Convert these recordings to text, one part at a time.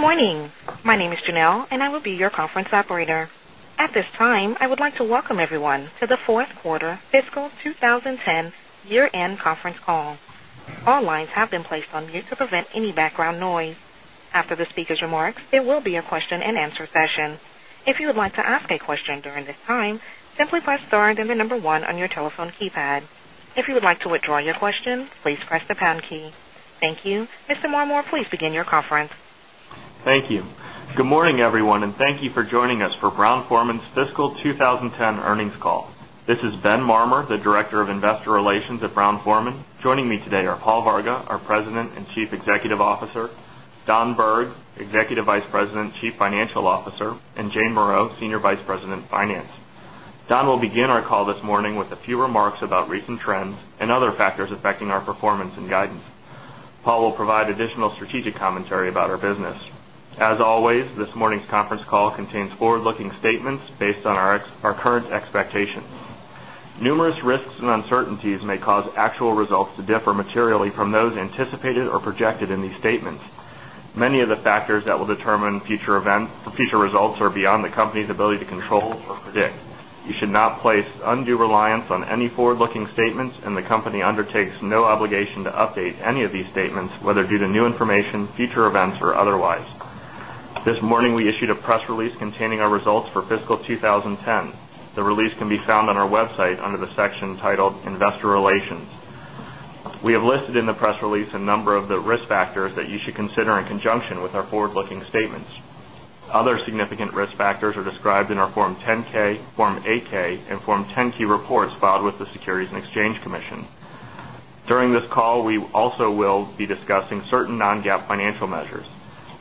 Good morning. My name is Janelle, and I will be your conference operator. At this time, I would like to welcome everyone to the 4th Quarter Fiscal 20 10 Year End Conference Call. All lines have been placed on mute to prevent any background noise. After the speakers' remarks, there will be a question and answer session. Thank you. Mr. Marmor, please begin your conference. Thank you. Good morning, everyone, and thank you for joining us for Brown Forman's fiscal 2010 earnings call. This is Ben Marmer, the Director of Investor Relations at Brown Forman. Joining me today are Paul Varga, our President and Chief Officer Don Berg, Executive Vice President and Chief Financial Officer and Jane Moreau, Senior Vice President, Finance. Don will begin our call this morning with a few remarks about recent trends and other factors affecting our performance and guidance. Paul will provide additional strategic commentary about our business. As always, this morning's conference call contains forward looking statements based on our current expectations. Numerous risks and uncertainties may cause actual results to differ materially from those anticipated or projected in these statements. Many of the factors that will determine future results are beyond the company's ability to control or predict. You should not place undue reliance on any forward looking statements and the company undertakes no obligation to update any of these statements whether due to new information, future events or otherwise. This morning we issued a press release containing our results for fiscal 20 10. The release can be found on our website under the section titled Investor Relations. We have listed in the press release a number of the risk factors that you should consider in conjunction with our forward looking statements. Other significant risk factors are be discussing certain non GAAP financial measures.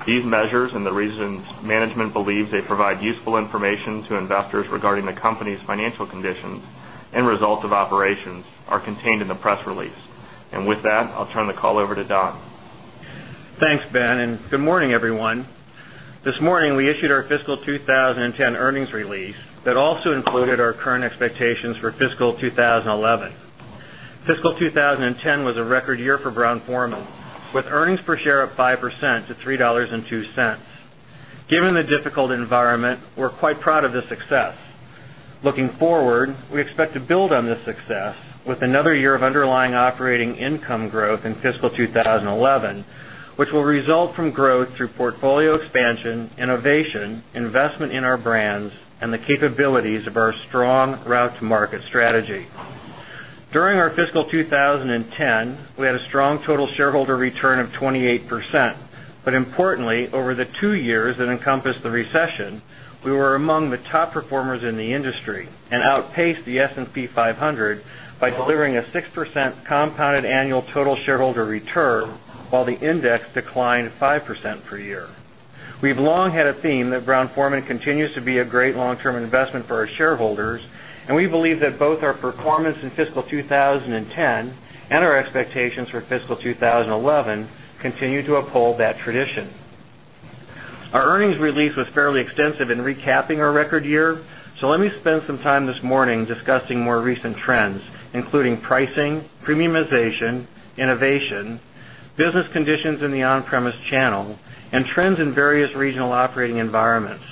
These measures and the reasons management believes they provide useful information to investors regarding the company's financial conditions and results of operations are contained in the press release. And with that, I'll turn the call over to Don. Thanks, Ben, and good morning, everyone. This morning, we issued our fiscal 2010 earnings release that also included our current expectations for fiscal 2011. Fiscal 2010 was a record year for Brown Forman with earnings per share of 5% to 3 point forward, we expect to build on this success with another year of underlying operating income growth in fiscal which will result from growth through portfolio expansion, innovation, investment in our brands and the capabilities of our strong route to market strategy. During our fiscal in the industry and outpaced the S and P 500 by delivering a 6% compounded annual total shareholder return, while the index declined 5% per year. We've long had a theme that Brown Forman continues to be a great long term investment for our shareholders and we believe that both our performance in fiscal 2010 and our expectations for fiscal 2011 continue to uphold that tradition. Our earnings release was fairly extensive in recapping our record year, so let me spend some time this morning discussing more recent trends, including pricing, premiumization, innovation, business conditions in the on premise channel and trends in various regional operating environments.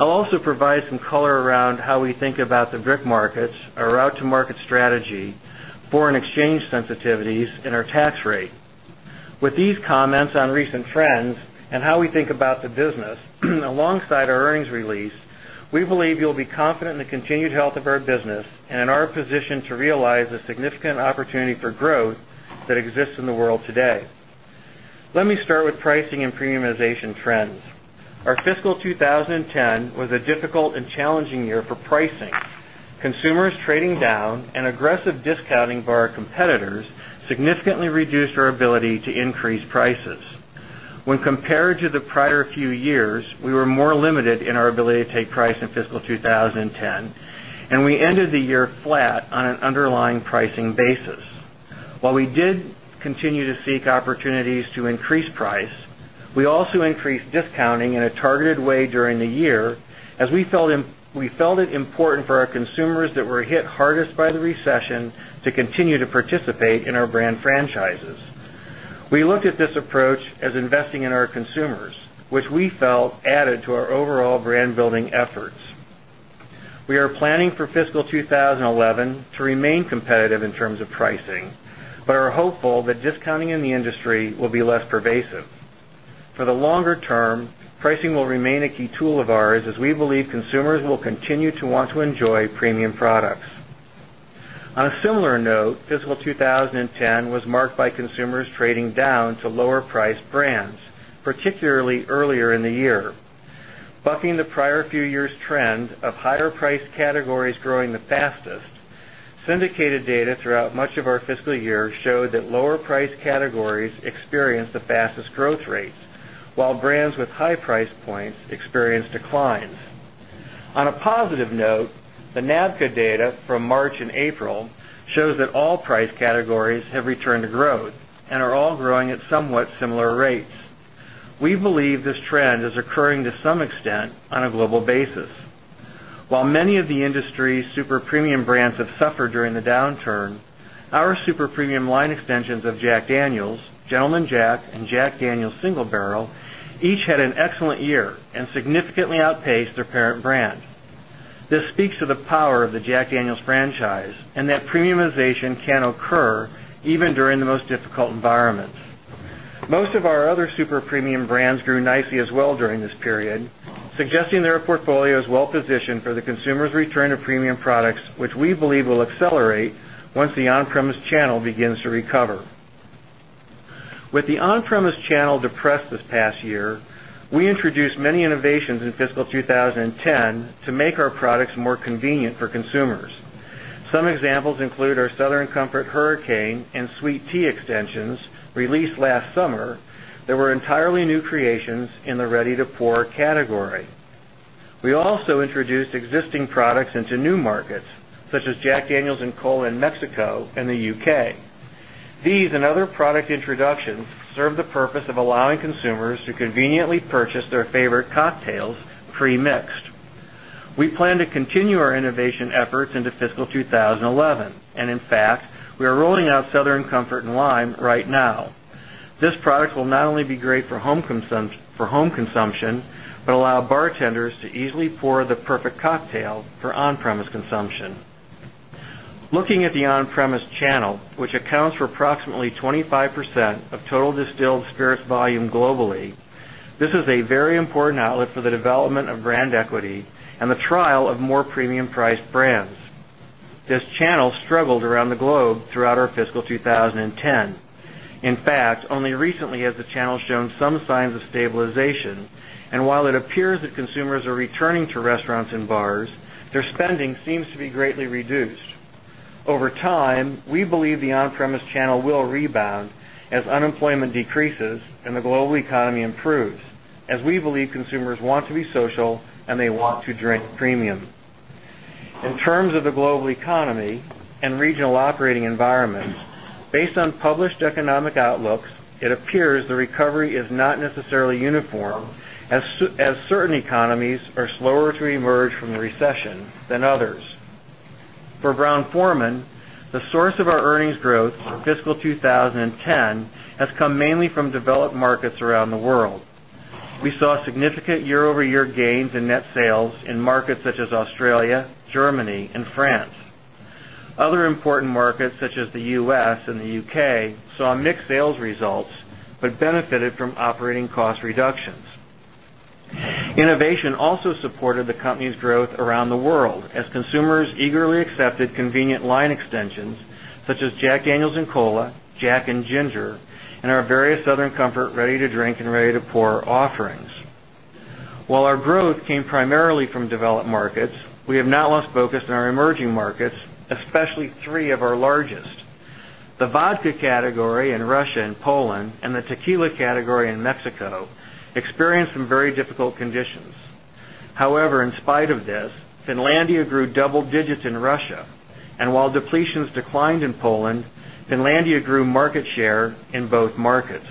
I'll also provide some color around how we think about the BRIC markets, our route to market strategy, foreign exchange sensitivities and our tax rate. With these comments on recent trends and how we think about the business, the business, alongside our earnings release, we believe you'll be confident in the continued health of our business and in our position to realize a significant opportunity for growth that 2010 was a difficult and challenging year for pricing. Consumers trading down and aggressive discounting increase prices. When compared to the prior few years, we were more limited in our ability to take price in fiscal 2010 and we ended the year flat on an underlying pricing basis. While we did continue to seek opportunities to increase price, we also increased discounting in a targeted way during the year as we felt it important for our consumers that were hit hardest by the recession to continue to participate in our brand franchises. We looked at this approach investing in our consumers, which we felt added to our overall brand building efforts. We are planning for fiscal 2011 to remain competitive in terms of pricing, but are hopeful that discounting in the industry will be less pervasive. For the longer term, pricing will remain a key tool of ours as we believe consumers will continue to want to enjoy premium products. On a similar note, fiscal 2010 was marked higher price categories growing the fastest, syndicated data throughout much of our fiscal year showed that lower price categories experienced the fastest growth extent on a global basis. While many of the industry's super premium brands have suffered during the downturn, our super premium line extensions of Jack Daniel's, Gentleman Jack and Jack Daniel's Single Barrel each had an excellent year and significantly outpaced their parent brand. This speaks to the power of the Jack Daniel's franchise and that premiumization can occur even during the most difficult to channel depressed this past year, we introduced many innovations in fiscal 2010 to make our products more convenient for consumers. Some examples include our Southern Comfort Hurricane and Sweet Tea Extensions released last summer that were entirely new creations in the ready to pour category. We also introduced existing products into new markets such as Jack Daniel's and Cola in Mexico and the UK. These and other product introductions serve the purpose of allowing consumers to conveniently purchase their favorite cocktails pre mixed. We plan to continue our innovation efforts into fiscal 2011 and in fact we are rolling out Southern Comfort and Lime right now. This product will not only be great for home consumption, but allow bartenders to easily pour the perfect cocktail for channel, which accounts for approximately 25% of total distilled spirits volume globally, This is a very important outlet for the development of brand equity and the trial of more premium priced brands. This channel struggled around the globe throughout our fiscal 2010. In fact, only recently has the channel shown some signs of stabilization. And while it appears that consumers are returning to restaurants and bars, their spending seems to be greatly reduced. Over time, we believe will rebound as unemployment decreases and the global economy improves as we believe consumers want to be social and they want to drink premium. In terms of the global economy and regional operating environments, based on published economic outlooks, it appears the recovery is not necessarily uniform as certain economies are slower to emerge from the recession than others. For Brown Forman, the source of our earnings growth for fiscal 2010 has come mainly from developed markets around the world. We saw significant year over year gains in net sales in markets such as Australia, Germany and France. Other important markets such the U. S. And the UK saw mixed sales results, but benefited from operating cost reductions. Innovation also supported the company's growth around the world as consumers eagerly accepted convenient line extensions such as Jack Daniel's and Cola, Jack and Ginger and our various Southern Comfort ready to drink and ready to pour offerings. While our growth came primarily from developed the tequila category in Mexico experienced some very difficult conditions. However, in spite of this, Finlandia grew double digits in Russia And while depletions declined in Poland, Finlandia grew market share in both markets.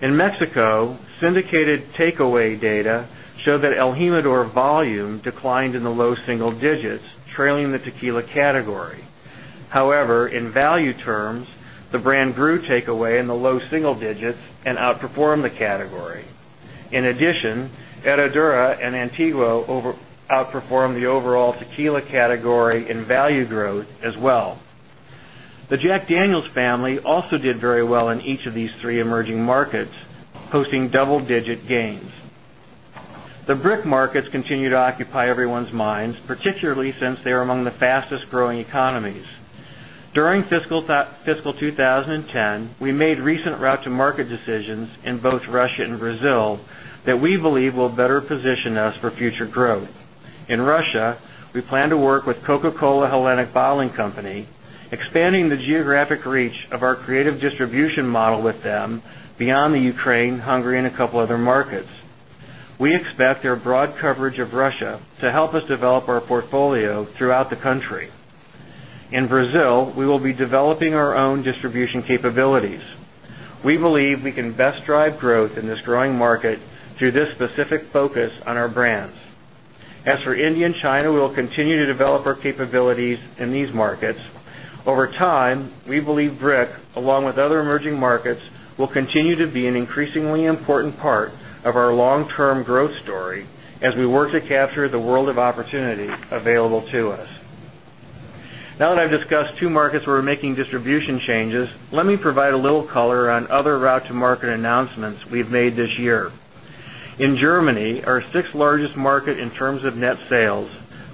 In Mexico, syndicated takeaway data showed that el Jimador volume declined in the low single digits, trailing the tequila category. However, in value terms, the brand grew takeaway in the low single digits and outperformed the category. In addition, Herradura and Antiguo outperformed the overall tequila category in value growth as well. The Jack Daniel's family also did very well in each of these 3 emerging markets, posting double digit gains. The brick markets continue to occupy everyone's minds, particularly since they are among the fastest growing economies. During fiscal 2010, we made recent route to market decisions in both Russia and Brazil that we believe will better position us for future growth. In Russia, we plan to work with Coca Cola Hellenic Bottling Company, expanding the geographic reach of our creative distribution model with them beyond the Ukraine, Hungary and a couple of other markets. We expect their broad coverage of Russia to help us develop our portfolio throughout the country. In Brazil, we will be developing our own distribution capabilities. We believe we can best drive growth in this growing market through this specific focus on our brands. As for India and China, we will continue to develop our capabilities in these markets. Over time, we believe Brick, along with other emerging markets, will continue to be an increasingly important part of our long term growth story as we work to capture the world of opportunity available to us. Now that I've discussed 2 markets where we're making distribution changes, let me provide a little color on other route to market announcements we've made this year. In Germany, our 6th largest market in terms of net sales,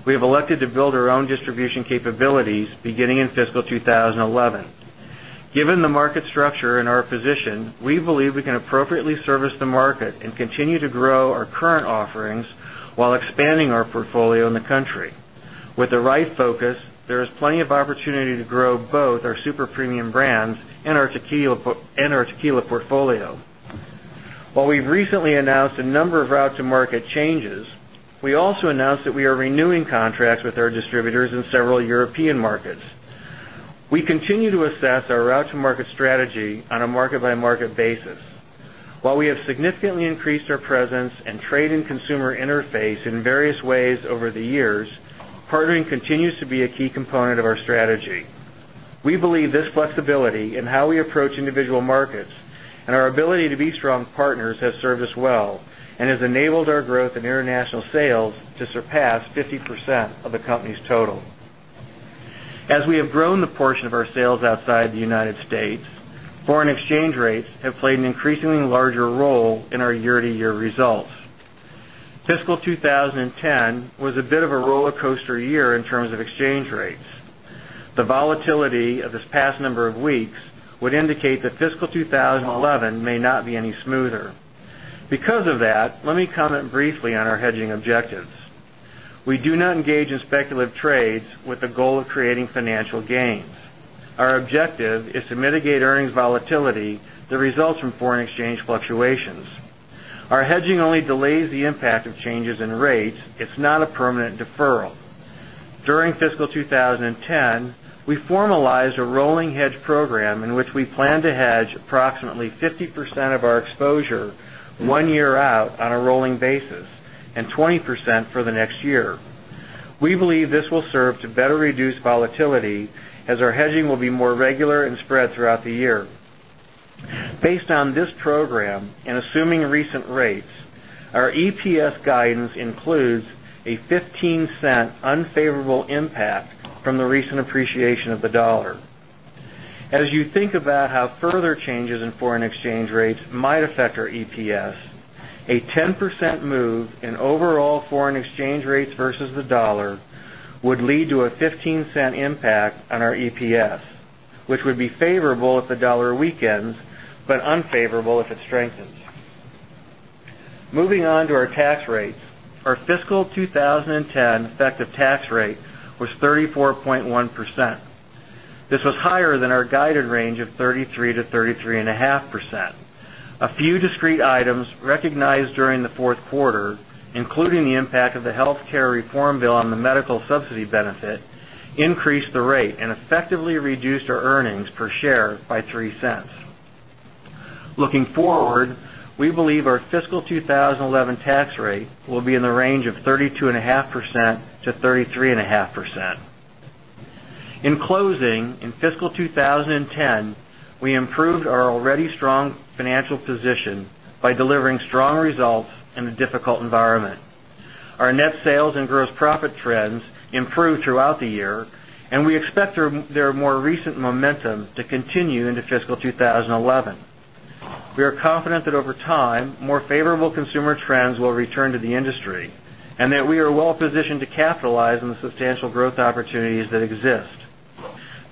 we have elected to build our own distribution capabilities beginning in fiscal 2011. Given the market structure and our position, we believe we can appropriately service the market and continue to grow our current offerings while expanding our portfolio in the country. With the right focus, there is plenty of opportunity to grow both our super premium brands and our tequila portfolio. While we've recently announced a number of route to market changes, we also announced that we are renewing contracts with our distributors in several European markets. We continue to assess our route to market strategy on a market by market basis. While we have significantly increased our presence and trade and consumer interface in various ways over the years, partnering continues to be a key component of our strategy. We believe this flexibility in how we approach individual markets and our ability to be strong partners has served us well and has enabled our growth in international sales to surpass 50 percent of the company's total. As we have grown the portion of our sales outside the United States, foreign exchange rates have played an increasingly larger role in our year to year results. Fiscal 2010 was a bit of a roller coaster year in terms of exchange rates. The volatility of this past number of weeks would indicate that fiscal 2011 may not be any smoother. Because of that, let me comment briefly on our hedging objectives. We do not engage in speculative trades with the goal of creating financial gains. Our objective is to mitigate earnings volatility that results from foreign exchange fluctuations. Our hedging only delays the impact of changes in rates, It's not a permanent deferral. During fiscal 2010, we formalized a rolling hedge program in which we plan to hedge approximately 50 of our exposure 1 year out on a rolling basis and 20% for the next year. We believe this will serve to better reduce volatility as our hedging will be more regular and spread throughout the year. Based on this program and assuming As you think about how further changes in foreign exchange rates might affect our EPS, move in overall foreign exchange rates versus the dollar would lead to a $0.15 impact on our EPS, which would be favorable if the dollar weakens, but unfavorable if it strengthens. Moving on to our tax rates. Our fiscal 2010 effective tax rate was 34.1%. This was higher than our guided range of 33% to 33.5 percent. A few discrete items recognized during the Q4, including the impact of the healthcare reform benefit increased the rate and effectively reduced our earnings per share by $0.03 Looking forward, we believe our fiscal 2011 tax rate will be in the range of 32.5% to 33.5%. In closing, in fiscal 2010, we improved our already strong financial position by delivering strong results in a difficult environment. Our net sales and gross profit trends improved throughout the year and we expect their more recent momentum to continue into fiscal 2011. We are confident that over time more favorable consumer trends will return to the industry and that we are well positioned to capitalize on the substantial growth opportunities that exist.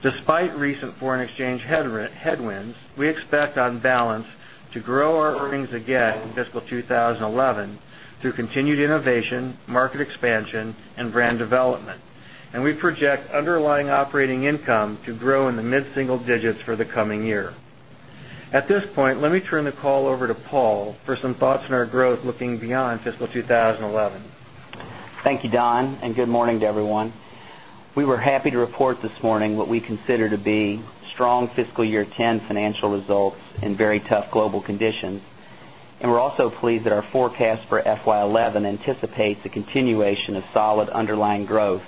Despite recent foreign exchange headwinds, we expect on balance to grow our earnings again in fiscal 20 11 through continued innovation, market expansion and brand development. And we project underlying operating income to grow in the mid single digits for the coming year. At this point, let me turn the call over to Paul for some thoughts on our growth looking beyond fiscal 2011. Thank you, Don, and good morning to everyone. We were happy to report this morning what we consider to be strong fiscal year 'ten financial results and very tough global conditions and we're also pleased that our forecast for FY 'eleven anticipates a continuation of solid underlying growth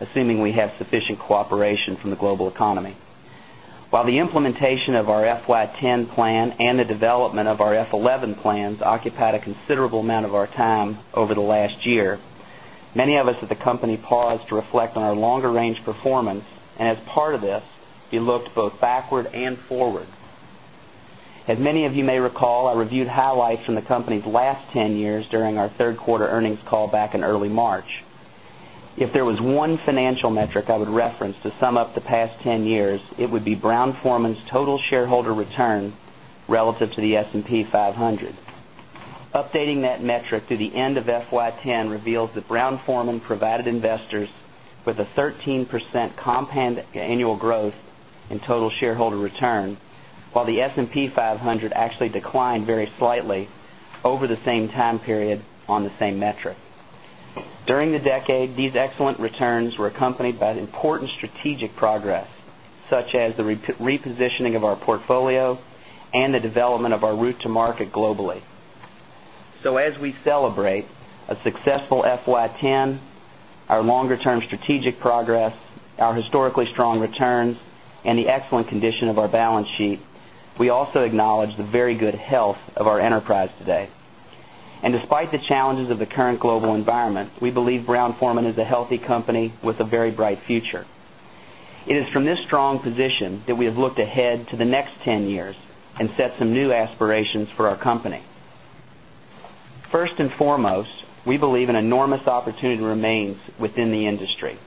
assuming we have sufficient cooperation from the global economy. While the implementation of our FY 'ten plan and the development of our F 'eleven plans occupied a considerable amount of our time over the last year, many of us at the company paused to reflect on our longer range performance and as part of this, we looked both backward and forward. As many of you may recall, I reviewed highlights from the company's last 10 years during our Q3 earnings call back in early March. If there was one financial metric I would reference to sum up the past 10 years, it would be Brown Forman's total shareholder return relative to the S and P 500. Updating that metric to the end of FY 'ten reveals that Brown Forman provided investors with a 13% compound annual growth in total shareholder return, while the S and P 500 actually declined very slightly over the same time period on the same metric. During the decade, these excellent returns were accompanied by the the excellent condition the excellent condition of our balance sheet, we also acknowledge the very good health of our enterprise today. And despite the challenges of the current global environment, we believe Brown Forman is a healthy company with a very bright future. It is from this strong position that we have looked ahead to the next 10 years and set some new aspirations for our company. 1st and foremost, we believe an enormous opportunity remains within the industry.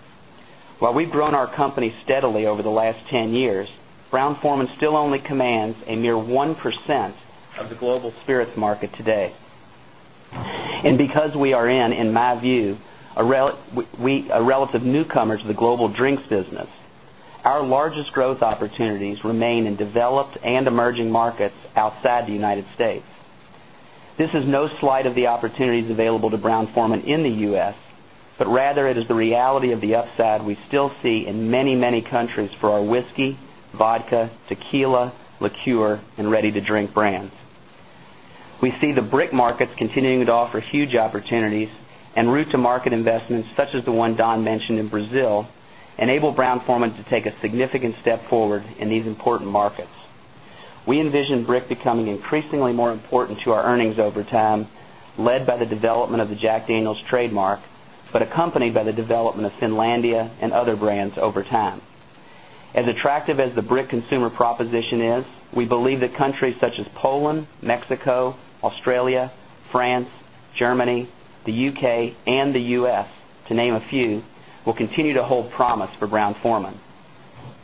While we've grown our company steadily over the last 10 years, Brown Forman still only commands a mere 1% of the global spirits market today. And because we are in, in my view, a relative newcomer to the global Drinks business, our largest growth opportunities remain in developed and emerging markets outside the United States. This is no slide of the opportunities available to Brown Forman in the U. S, but rather it is the reality of the upside we still see in many, many countries for our whiskey, vodka, tequila, liqueur and ready to drink brands. We see the brick markets continuing to offer huge opportunities and to market investments such as the one Don mentioned in Brazil enable Brown Forman to take a significant step forward in these important markets. We envision brick becoming increasingly more important to our earnings over time, led by the development of the Jack Daniel's trademark, but accompanied by the development of Finlandia and other brands over time. As attractive as the BRIC consumer proposition is, we believe that countries such as Poland, Mexico, Australia, France, Germany, the U. K. And the U. S, to name a few, will continue to hold promise for Brown Forman.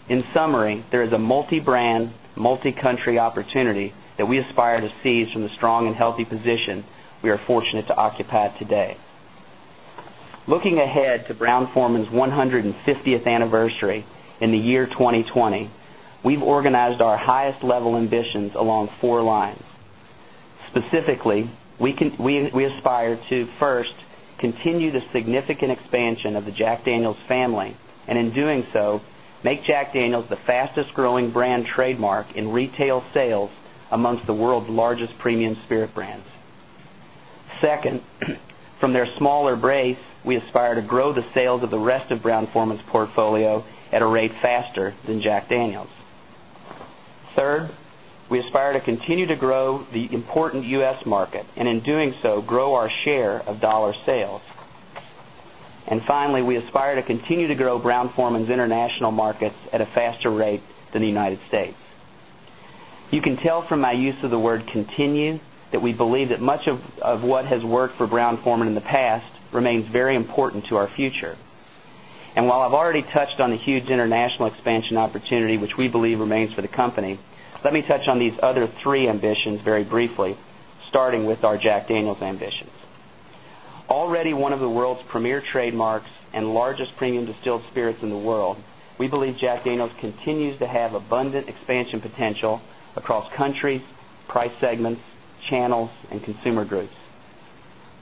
In summary, is a multi brand, multi country opportunity that we aspire to seize from the strong and healthy position we are fortunate to occupy today. Looking ahead to Brown Forman's 150th anniversary in the year 2020, we've organized our highest and in doing so make Jack Daniel's the fastest growing brand trademark in retail sales amongst the world's largest premium spirit brands. 2nd, from their smaller brace, we aspire to grow the sales of the rest of Brown Forman's portfolio at a rate faster than Jack Daniel's. 3rd, we aspire to continue to grow the important U. S. Market and in doing so grow our share of dollar sales. And finally, we aspire to continue to grow Brown Forman's international markets at a faster rate than the United States. You can tell from my use of the word continue that we believe that much of what has worked for Brown Forman in the past remains very important to our future. And while I've already touched on the huge international expansion opportunity, which we believe remains for the company, let me touch on these other three ambitions very briefly, starting with our Jack Daniel's ambitions. Already one of the segments, channels and consumer groups.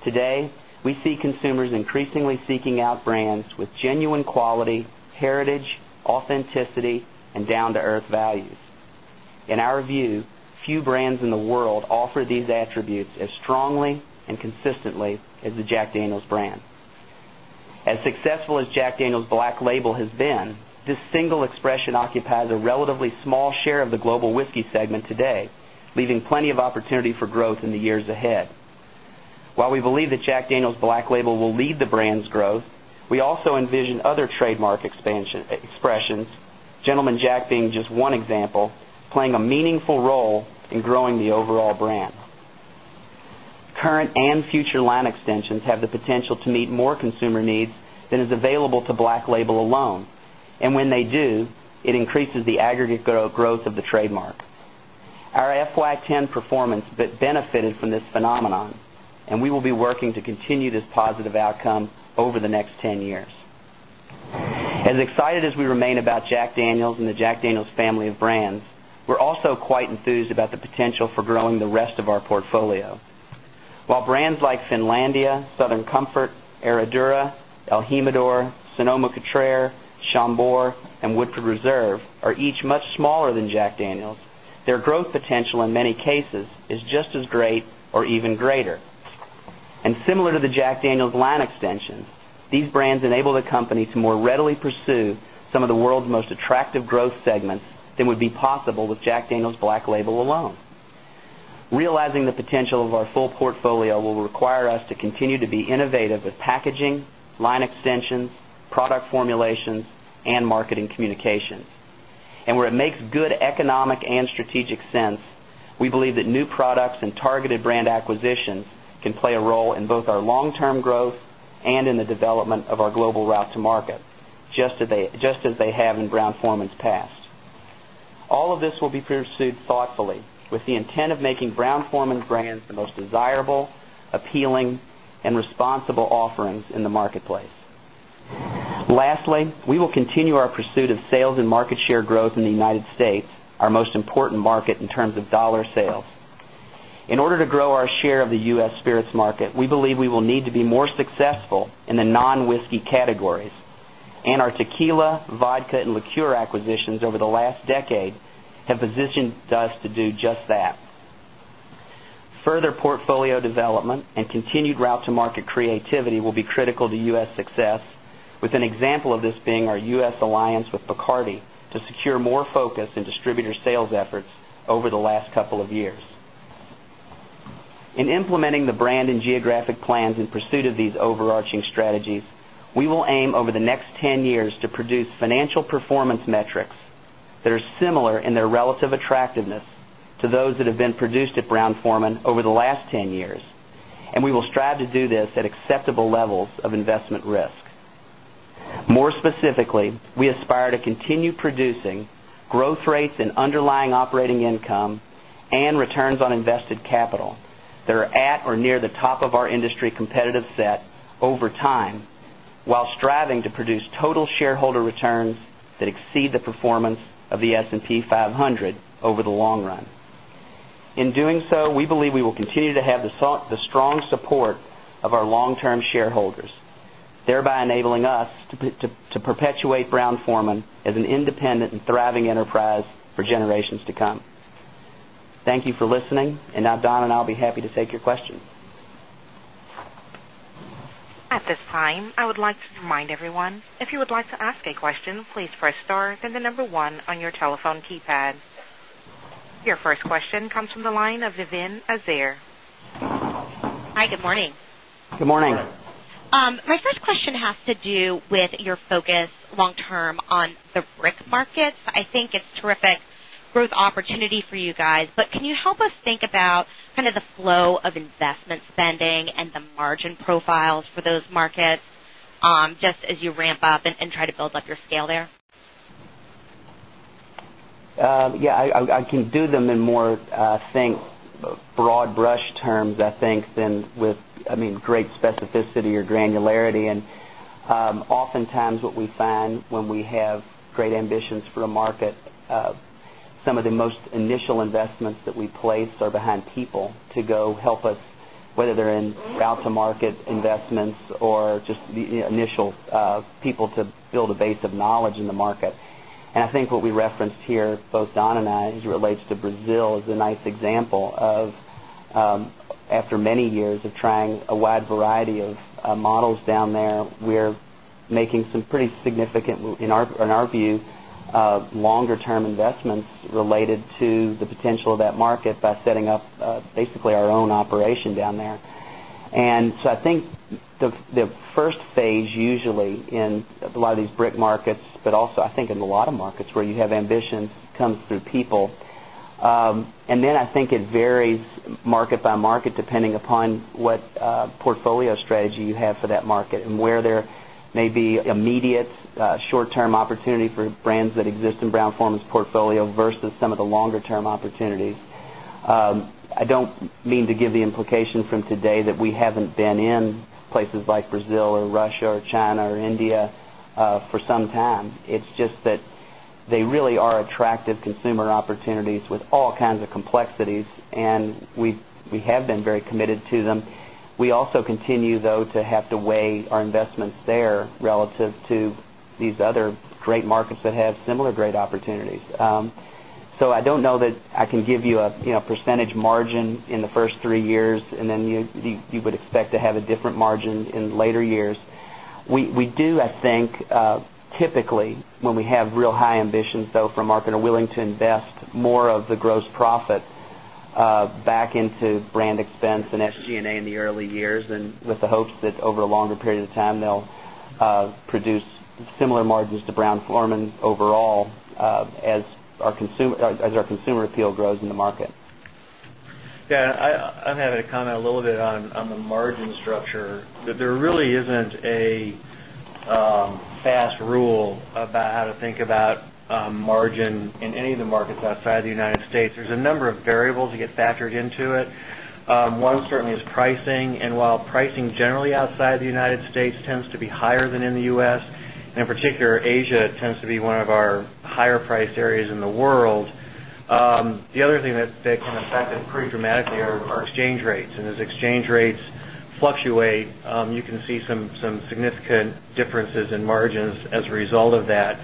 Today, we see consumers increasingly seeking out brands with genuine quality, heritage, authenticity and down to earth values. In our view, few brands in the world offer these attributes as strongly and consistently as the Jack Daniel's brand. As successful as Jack Daniel's Black Label has been, this single expression occupies a relatively small share of the global whiskey segment today, leaving plenty of opportunity for growth in the years ahead. While we believe that Jack Daniel's Black Label will lead the brand's growth, we also envision other trademark expressions, Gentleman Jack being just one example, playing a meaningful role in growing the overall brand. Current and future line extensions have the potential to meet more consumer needs than is available to Black Label alone. And when they do, it increases the aggregate growth of the trademark. Our FLAC-ten performance benefited from this phenomenon, and we will be working to continue this positive outcome over the next 10 years. As excited as we remain about Jack Daniel's and the Jack Daniel's family of brands, we're also quite enthused about the potential for growing the rest of our portfolio. While brands like Finlandia, Southern Comfort, Herradura, Himador, Sonoma Catrara, Chambord and Woodford Reserve are each much smaller than Jack Daniel's, their growth potential in many cases is just as great or even greater. And similar to the Jack Daniel's line extensions, these brands enable the company to more readily pursue some of the world's most attractive growth segments than would be possible with Jack Daniel's Black Label alone. Realizing the potential of our full portfolio will require us to continue to be innovative with packaging, line extensions, product formulations and marketing communications. And where it makes good economic and strategic sense, we believe that new products and targeted brand acquisitions can play a role in both our long term growth and in the development of our desirable, appealing and responsible offerings in the marketplace. Lastly, we will continue our pursuit of sales and market share growth in the United States, our most important market in terms of dollar sales. In order to grow our share of the U. S. Spirits market, we believe we will need to be more successful in the non whiskey categories, and our tequila, vodka and liqueur acquisitions over the last decade have positioned us to do just that. Further portfolio development and continued route to market creativity will be critical to U. S. Success, with an example of this being our geographic plans in pursuit of these overarching strategies, we will aim over the next 10 years to produce financial performance metrics that are similar in their relative attractiveness to those that have been produced at Brown Forman over the last 10 years, and we will strive to do this at acceptable levels of investment risk. More specifically, we aspire to continue producing growth rates in underlying operating income and returns on invested capital that are at or near the top of our industry competitive set over time, while striving to produce total shareholder returns that exceed the performance of the S and P 500 over the long run. In doing so, we believe we will continue to have the strong support of our long term shareholders, thereby enabling us to perpetuate Brown Forman as an independent and thriving enterprise for generations to come. Thank you for listening. And now Don and I will be happy to take your questions. Your first question comes from the line of Vivien Azer. Hi, good morning. Good morning. My first question has to do with your focus long term on the brick markets. I think it's terrific growth opportunity for you guys. But can you help us think about kind of the flow of investment spending and the margin profiles for those markets just as you ramp up and try to build up your scale there? Yes, I can do them in more think broad brush terms, I think, than with, I mean, great specificity or granularity. And oftentimes, what we find when we have great ambitions for a market, some of the most initial investments that we place are behind people to go help us whether they're in route to market investments or just the initial people to build a base of knowledge in the market. And I think what we referenced here, Don and I, as it relates to Brazil is a nice example of after many years of trying a wide variety of models down there, we are making some pretty significant, in our view, longer term investments related to the potential of that market by setting up basically our own operation down there. And so I think the first phase usually in lot of these brick markets, but also I think in a lot of markets where you have ambitions comes through people. And then I think it varies market by market depending upon what portfolio strategy you have for that market and where there may be immediate short term opportunity implication from today that we haven't been in places like Brazil or Russia or China or India for some time. It's just that they really are attractive consumer opportunities with all kinds of complexities and we have been very committed to them. We also continue though to have to weigh our investments there relative to these other great markets that have similar great opportunities. So I don't know that I can give you a percentage margin in the 1st 3 years and then you would expect to have a different margin in later years. We do, I think, typically when we have real high ambition though from our end, we're willing to invest more of the gross profit back into brand expense and SG and A in the early years and with the hopes that over a longer period of time, they'll produce similar margins to Brown Forman overall as our consumer appeal grows in the market. Yes. I'm having a comment a little bit on the margin structure that there really isn't a fast rule about how to think about margin in any of the markets outside of the United States. There's a number of variables that get factored into it. One certainly is pricing and while pricing generally outside the United States tends to be higher than in the U. S. And in particular Asia tends to be one of our higher priced areas in the world. The other thing that can affect it pretty dramatically are exchange rates. And as exchange rates fluctuate, you can see some significant differences in margins as a result of that.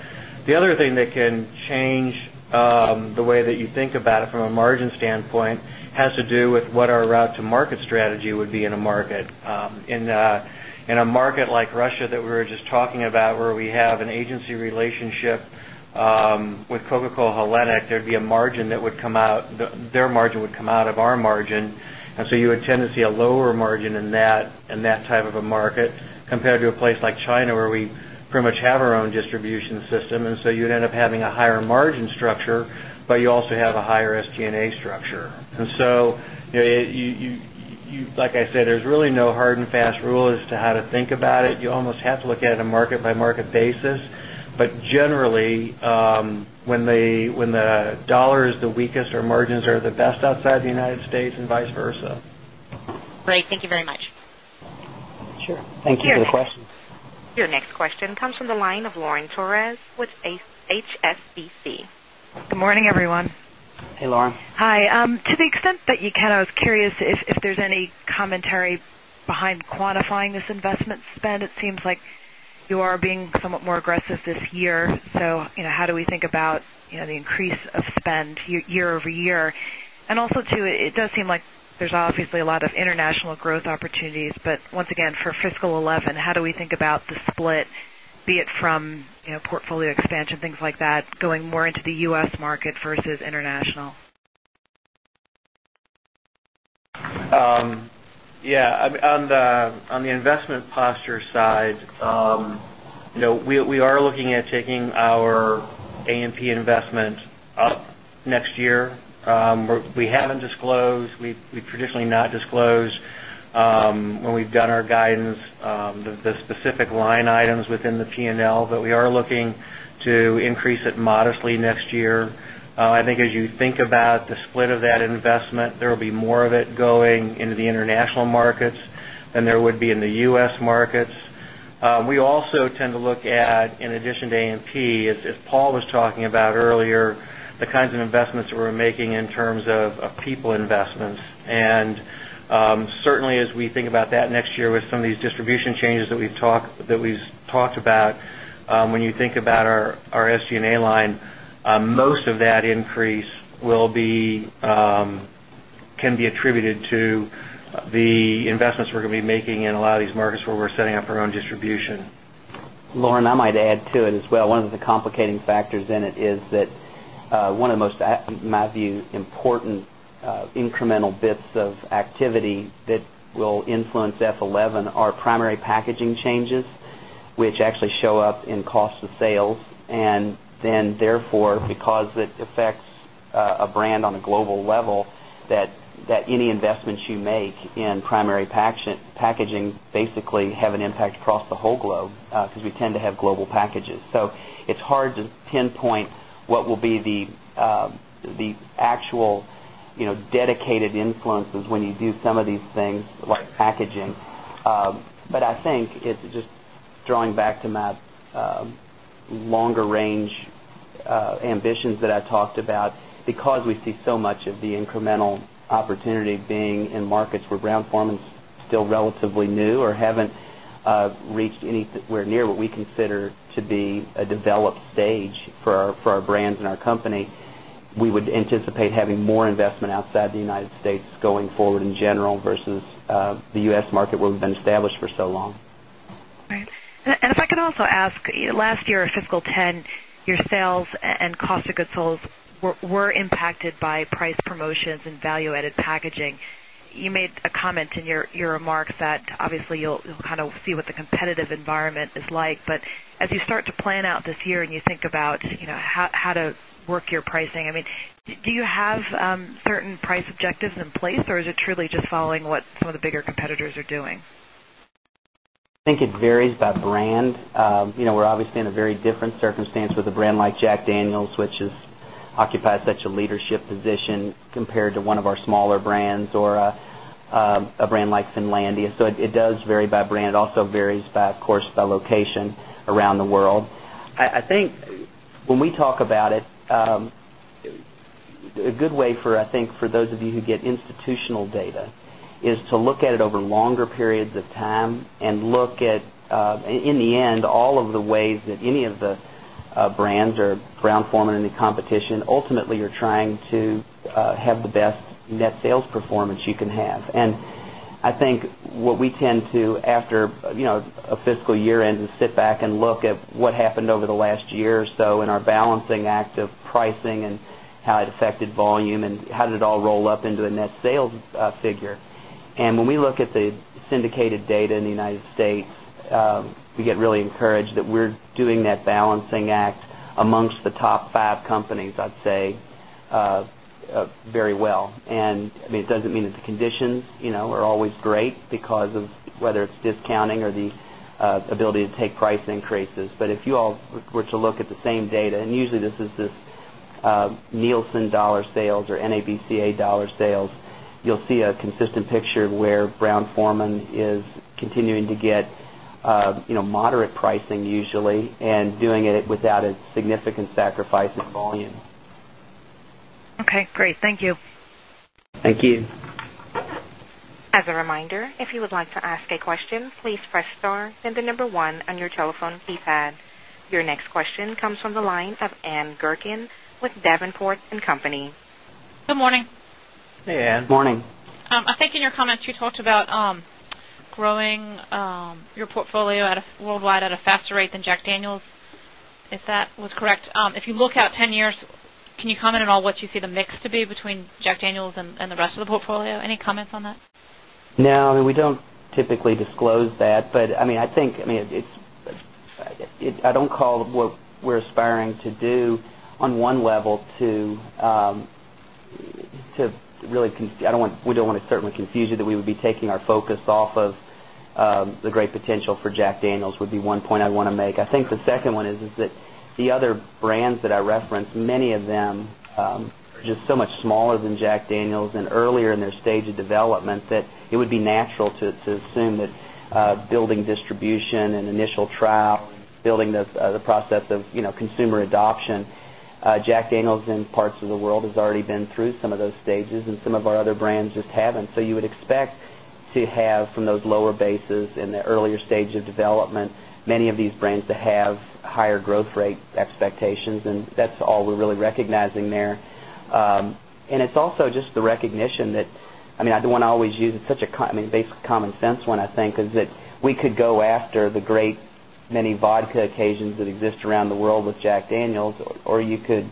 The other thing that can change the way that you think about it from a margin standpoint has to do with what our route to market strategy would be in a market. In a market like Russia that we were just talking about where we have an agency relationship with Coca Cola Hellenic, there'd a margin that would come out their margin would come out of our margin. And so you would tend to see a lower margin in that type of a market compared to a place like China where we pretty much have our own distribution system. And so you'd end up having a higher margin structure, but you also have a higher SG and A structure. And so, like I said, there's really no hard and fast rule as to how to think about it. You almost have to look at a market by market basis. But generally, when the dollar is the weakest, our margins are the best outside the United States and vice versa. Great. Thank you very much. Sure. Thank you for the question. Your next question comes from the line of Lauren Torres with HSBC. Good morning, everyone. Hey, Lauren. Hi. To the extent that you can, I was curious if there's any commentary behind quantifying this investment spend? It seems like you are being somewhat more aggressive this year. So how do we think about the increase of spend year over year? And also too, it does seem like there's obviously a lot of international growth opportunities. But once again for fiscal 'eleven, how do we think about the split, be it from portfolio expansion, things like that, going more into the U. S. Market versus international? Yes. On the investment posture side, we are looking at taking our A and P investment up next year. We haven't disclosed. We've traditionally not disclosed when we've done our guidance the specific line items within the P and L, but we are looking to increase it modestly next year. I think as you think about the split of that investment, there will be more of it going into the international markets than there would be in the U. S. Markets. We also tend to look at, in addition to A and P, as Paul was talking about earlier, the kinds of investments that we're making in terms of people investments. And certainly as we think about that next year with some of these distribution changes that we've talked about, when you think about our SG and A line, most of that increase will be can be attributed to the investments we're going to be making in a lot of these markets where we're setting up our own distribution. I might add to it as well. One of the complicating factors in it is that one of the most, in my view, important incremental bits of activity that will influence F11 are primary packaging changes, which actually show up in primary packaging basically have an impact across the whole globe. Primary packaging basically have an impact across the whole globe because we tend to have global packages. So it's hard to pinpoint what will be the actual dedicated influences when you do some of these things like packaging. Ambitions that I talked about because we see so much of the incremental opportunity being in markets where ground performance is still relatively new or haven't reached anywhere near what we consider to be a developed stage for our brands and our company, we would anticipate having more investment outside the United States going forward in general versus the U. S. Market where we've been established for so long. Right. And if I could also ask, last year fiscal 'ten, your sales and cost of goods sold were impacted by price promotions and value added packaging. You made a comment in your remarks that obviously you'll kind of see what the competitive environment is like. But as you start to plan out this year and you think about how to work your pricing, I mean, do you have certain price objectives in place or is it truly just following what some of the bigger competitors are doing? I think it varies by brand. We're obviously in a very different circumstance with a brand like Jack Daniel's, which occupies such a leadership position compared to one of our smaller brands or a brand like Finlandia. So it does vary by brand, it also varies by, of course, by location around the world. I think when we talk about it, a good way for I think for those of you who get institutional data is to look at it over longer periods of time and look at in the end all of the ways that any of the brands are Brown Forman and the competition, ultimately you're trying to have the best net sales performance you can have. And I think what we tend to after a fiscal year end is sit back and look at what happened over the last year or so in our balancing act of pricing and how it affected volume and how did it all roll up into a net sales figure. And when we look at the syndicated data in the United States, we get really encouraged that balancing act amongst the top five companies, I'd say, very well. And I mean, it doesn't mean the conditions are always great because of whether it's discounting or the ability to take price increases. But if you all were to look at the same data and usually this is Nielsen dollar sales or NABCA dollar sales, you'll see a consistent picture where Brown Forman is continuing to get moderate pricing usually and doing it without a significant sacrifice in volume. Okay, great. Thank you. Thank you. Your next question comes from the line of Ann Gurkin with Davenport and Company. Good morning. Hey, Ann. Good morning. I think in your comments you talked about growing your portfolio at a worldwide at a faster rate than Jack Daniel's, if that was correct. If you look out 10 years, can you comment on what you see the mix to be between Jack Daniel's and the rest of the portfolio? Any comments on that? No. I mean, we don't typically disclose that. But I mean, I think, I mean, I don't call what we're aspiring to do on one level to really I don't want we don't want to certainly confuse you that we would be taking our focus off of the great potential for Jack Daniels would be one point I want to make. I think the second one is that the other brands that I referenced, many of them are just so much smaller than Jack Daniel's and earlier in their stage consumer adoption, Jack Daniel's in parts of the world has already been consumer adoption. Jack Daniel's in parts of the world has already been through some of those stages and some of our other brands just haven't. So you would expect to have from those lower bases in the earlier stage of development many of these brands that have higher growth rate expectations and that's all we're really recognizing there. And it's also just the recognition that I mean, I don't want to always use such a common, I mean, basic common sense when I think is that we could go after the great many vodka occasions that exist around the world with Jack Daniel's or you could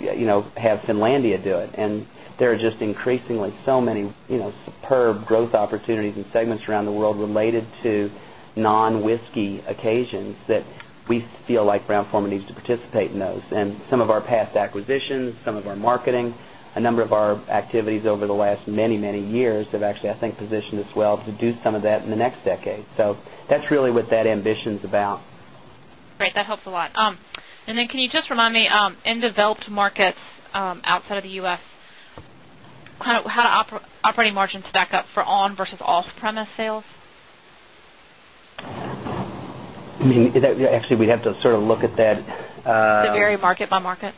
have Finlandia do it. And there are just increasingly so many superb growth opportunities and segments around the world related to non whiskey occasions that we feel Brown Forman needs to participate in those. And some of our past acquisitions, some of our marketing, a number of our activities over the last many, many years have actually I think positioned us well-to-do some of that in the next decade. So that's really what that ambition is about. Great. That helps a lot. And then can you remind me, in developed markets outside of the U. S, kind of how do operating margins back up for on versus off premise sales? I mean, actually we have to sort of look at that. Does it vary market by market?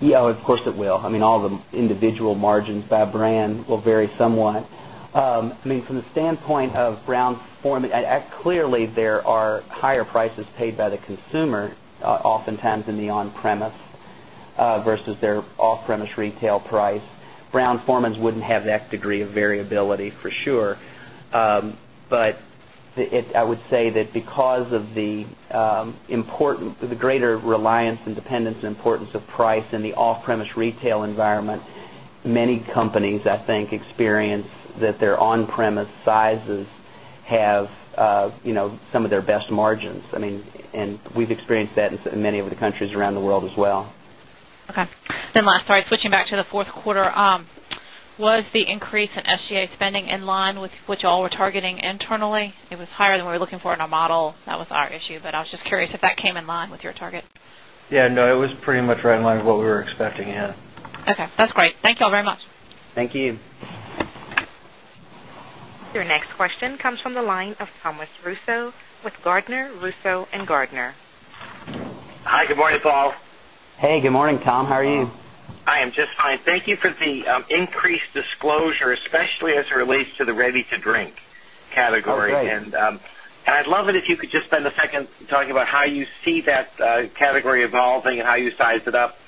Yes, of course it will. I mean all the individual margins by brand will vary somewhat. I mean from the standpoint of Brown's Form wouldn't have that degree of variability for sure. Wouldn't have that degree of variability for sure. But I would say that because of the important the greater reliance and dependence and importance of price in the off premise retail environment, many companies, I think, experience that their on premise sizes have some of their best margins. I mean and we've experienced that in many of the countries around the world as well. Okay. Then last, sorry, switching back to the Q4. Was the increase in SGA spending in line with what you all were targeting internally? It was higher than we're looking for in our model. That was our issue, but I was just curious if that came in line with your target? Yes. No, it was pretty much right in line with what we were expecting, yes. Okay. That's great. Thank you all very much. Thank you. Your next question comes from the line of Thomas Russo with Gardner Russo and Gardner. Hi, good morning, Paul. Hey, good morning, Tom. How are you? I am just fine. Thank you for the increased disclosure, especially as it relates to the ready to drink category. And I'd love it if you could just spend a second talking about how you see that category evolving and how you size it up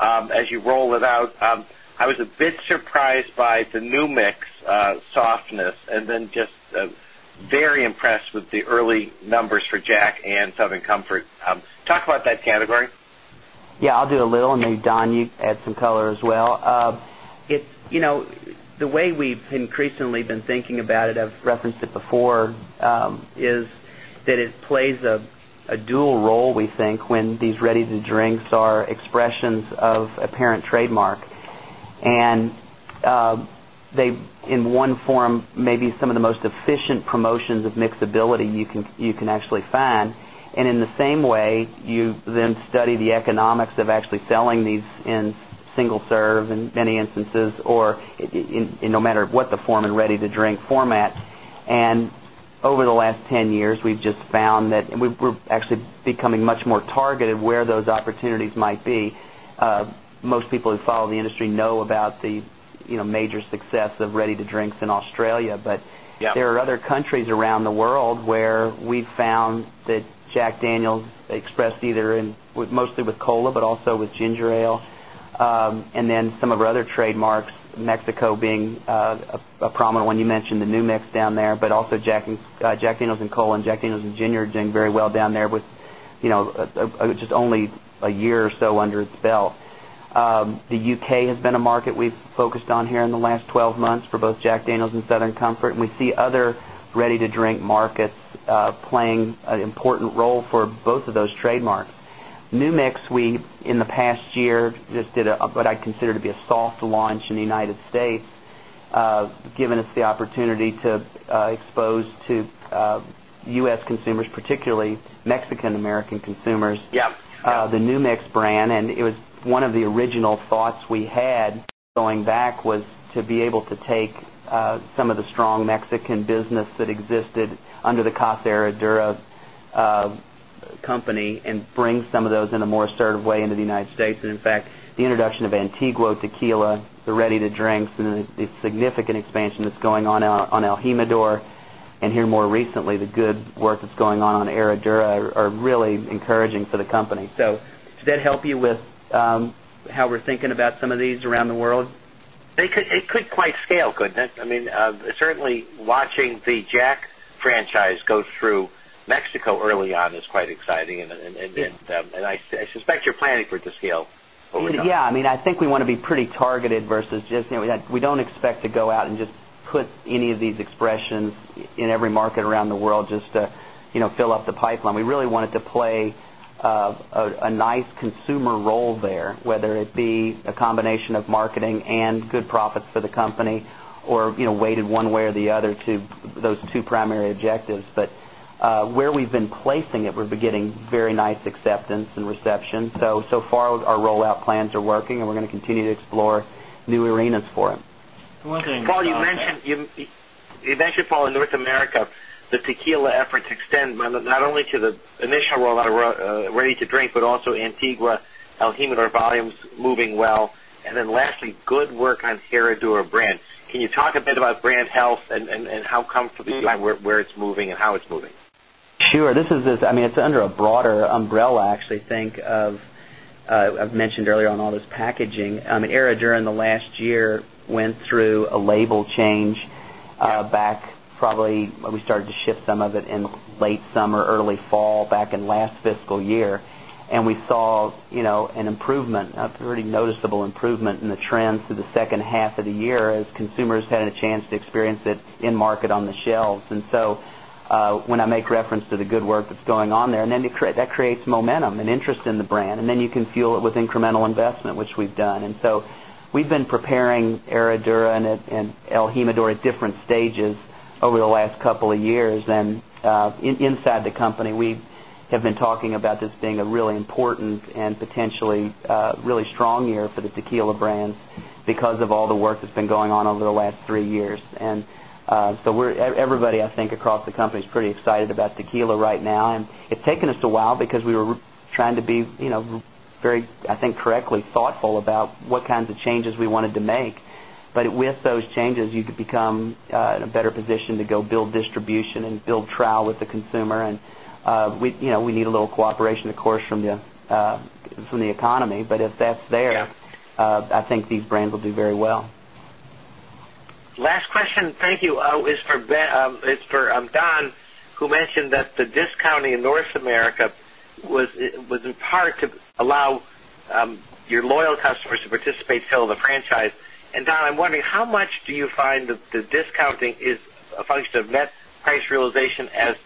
as you roll it out. I was a bit surprised by the new mix softness and then just very impressed with the early numbers for Jack and Southern Comfort. Talk about that category? Yes, I'll do a little and maybe Don you add some color as well. The way we've increasingly been thinking about it, I've referenced it before, is that it plays a dual role we think when these ready to drinks are expressions of apparent trademark. And they in one form maybe some of the most efficient promotions of mixability you can actually find. And in the same way, you then study the economics of actually selling these in single serve in many instances or in no matter what the form and ready to drink format. And over the last 10 years, we've just found that we're actually becoming much more targeted where those opportunities might be. Most people who follow the industry know about the major success of ready to drinks in Australia. But there are other countries around the world where we found that Jack Daniel's expressed either in with mostly with cola, but also with ginger ale. And then some of other trademarks, Mexico being a prominent one. You mentioned the new mix down there, but also Jack Daniel's and Cola and Jack Daniel's and Ginger are doing very well down there with just only a year or so under its belt. The U. K. Has been a market we've focused on here in the last 12 months both Jack Daniel's and Southern Comfort. We see other ready to drink markets playing an important role for both of those trademarks. S. Consumers, particularly Mexican American consumers, the New Mex brand. And it was one of the original thoughts we had going back was to be able to take some of the strong Mexican business that existed under the Casa Herradura company and bring some of those in a more assertive way into the United States. And in fact, the introduction of Antiguo tequila, the ready to drink, the significant expansion that's going on El Jimador and here more recently the good work that's going on Herradura are really encouraging for the company. So should that help you with how we're thinking about some of these around the world? It could quite scale, couldn't it? I mean, certainly watching the JAK franchise go through Mexico early on is quite exciting. And I suspect you're planning for it to scale. Over the next year? Yes. I mean, I think we want to be pretty targeted versus just we don't expect to go out and just put any of these expressions in every market around the world just to fill up the pipeline. We really wanted to play a nice consumer role there, whether it be a combination of marketing and good profits for the company or weighted one way or the other to those two primary objectives. But where we've been placing it, we're beginning very nice acceptance and reception. So, so far our rollout plans are working and we're going to continue to explore new arenas for them. Paul, you mentioned you mentioned Paul in North America, the tequila efforts extend not only to the initial rollout of ready to drink, but also Antigua Hemodar volumes moving well. And then lastly, good work on Herradura brand. Can you talk a bit about brand health and how comfortable where it's moving and how it's moving? Sure. This is I mean, it's under a broader umbrella actually think of I've mentioned earlier on all this packaging. I mean, Era during the last year went through a label change back probably when we started to shift some of it in late summer, early fall back in last fiscal year. And we saw an improvement, a pretty noticeable improvement in the trends for the second half of the year as consumers had a chance to experience it in market on the shelves. And so when I make reference to the good work that's going on there and then that creates momentum and interest in the brand and then you can fuel it with incremental investment, which we've done. And so we have been preparing Herradura and El Hemador at different stages over the last couple of years. And inside the company, we have been so we so we're everybody I think across the company is pretty excited about tequila right now. And it's taken us a while because we were trying to be very, I think, correctly thoughtful about what kinds of changes we wanted to make. But with those changes, you could become in a better position to go build distribution and build trial with the consumer. And we need a little cooperation, of course, from the economy. But if that's there, I think these brands will do very well. Last question, thank you, is for Don, who mentioned that the discounting in North America was in part to allow your loyal customers to participate still in the franchise. And Don, I'm wondering how much do you find the discounting is a function of net price realization as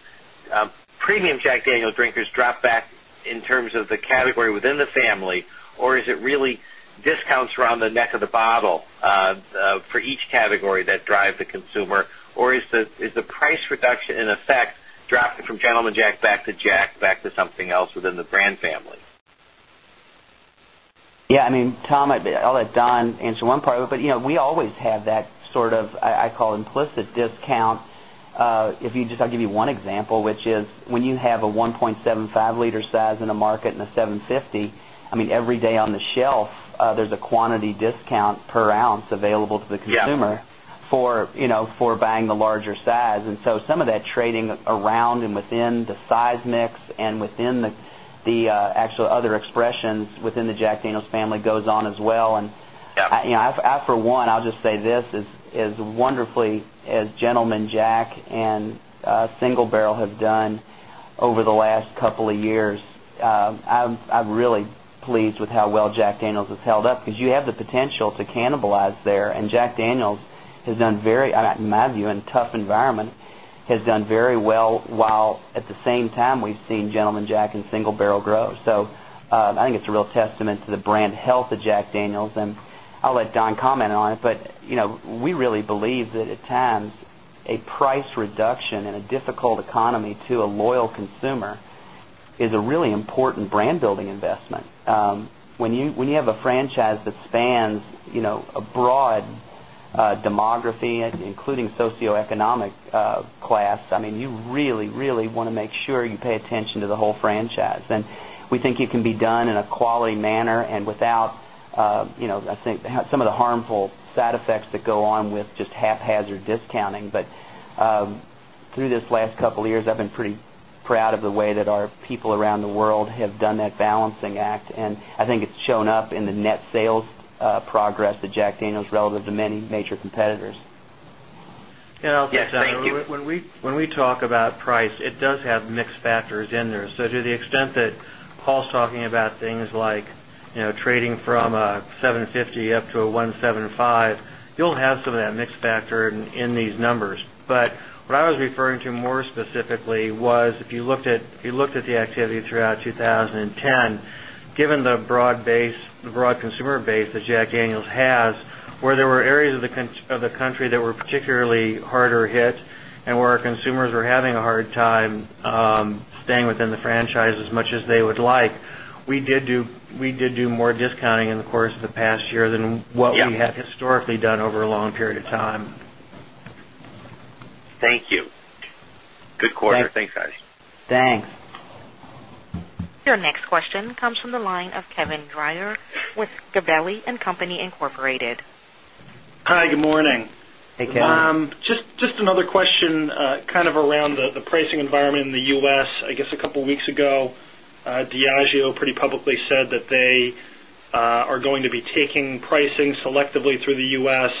premium Jack Daniel's drinkers drop back in terms of the category within the family or is it really discounts around the neck of the bottle for each category that drive the consumer or is the price reduction in effect dropped from Gentleman Jack back to Jack back to something else within the brand family? Yes, I mean, Tom, I'll let Don answer one part, but we always have that sort of, I call implicit discount. If you just I'll give you one example, which is when you have a 1 consumer for buying the larger size. And so some of that trading around and within the size mix and within the other expressions within the Jack Daniel's family goes on as well. And I for one, I'll just say this as wonderful as Gentleman Jack and Single Barrel have done over the last couple of years. I'm really pleased with how well Jack Daniels has held up because you have the potential to cannibalize there. And Jack Daniels has done very in my view in tough environment has done very well while at the same time we've seen Gentleman Jack and Single Barrel grow. So I think it's a real testament to the brand health of Jack Daniel's and I'll Don comment on it. But we really believe that at times a price reduction in a difficult economy to a loyal consumer is a really important brand building investment. When you have a franchise that spans a broad demography, including socio economic class, I mean, you really, really want to make sure you pay attention to the whole franchise. And we think it can be done in a quality manner and without, I think, some of the harmful side effects that go on with just haphazard discounting. But through this last couple of years, I've been pretty proud of the way that our people around the world have done that balancing act. And I think it's shown up in the net sales progress at Jack Daniel's relative to many major competitors. Yes. Thank you. When we talk about price, it does have mix factors in there. So to the extent that Paul is talking about things like trading from a $750,000,000 up to a $175,000,000 you'll have some of that mix factor in these numbers. But what I was referring to more specifically was if you looked at the activity throughout 20 10, given the broad base, the broad consumer base that Jack Daniels has, where there were areas of the country that were particularly harder hit and where our consumers were having a hard time staying within the franchise as much as they would like, we did do more Thanks. Thanks. Your next question comes from the line of Kevin Dreyer with Gabelli and Company Incorporated. Hi, good morning. Hey, Kevin. Just another question kind of around the pricing environment in the U. S. I guess a couple of weeks ago, Diageo pretty publicly said that they are going to be taking pricing selectively through the U. S.